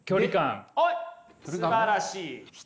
すばらしい。